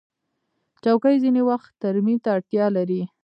چوکۍ ځینې وخت ترمیم ته اړتیا لري.